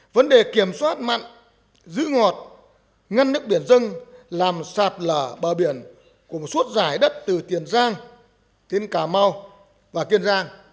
vấn đề kiểm soát mặn giữ ngọt ngăn nước biển dân làm sạt lở bờ biển của một suốt dài đất từ tiền giang đến cà mau và kiên giang